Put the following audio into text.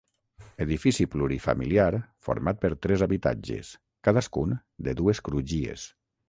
Edifici plurifamiliar format per tres habitatges, cadascun de dues crugies.